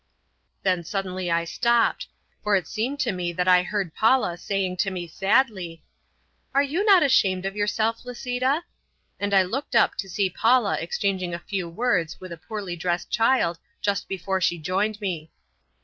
Then suddenly I stopped, for it seemed to me that I heard Paula saying to me sadly, "Are you not ashamed of yourself, Lisita?" And I looked up to see Paula exchanging a few words with a poorly dressed child just before she joined me.